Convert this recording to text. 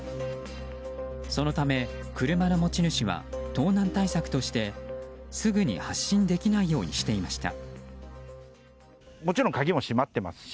そのため車の持ち主は盗難対策としてすぐに発進できないようにしていました。